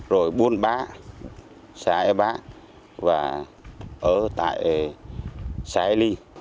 rồi buôn bá xã e bá và ở tại xã e li